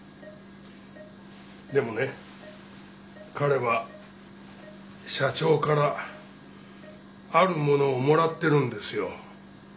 でもね彼は社長からあるものをもらってるんですよ。